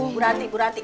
bu ranti bu ranti